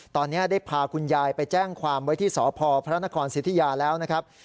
ตอนนี้ได้พาคุณยายไปแจ้งความไว้ที่สพพระนครสิทธิยาแล้วนะครับ